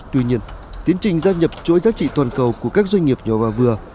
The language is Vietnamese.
tuy nhiên tiến trình gia nhập chuỗi giá trị toàn cầu của các doanh nghiệp nhỏ và vừa